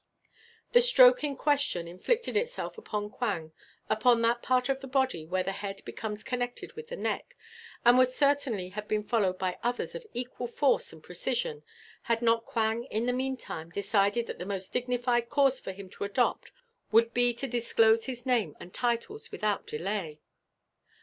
The stroke in question inflicted itself upon Quang upon that part of the body where the head becomes connected with the neck, and would certainly have been followed by others of equal force and precision had not Quang in the meantime decided that the most dignified course for him to adopt would be to disclose his name and titles without delay.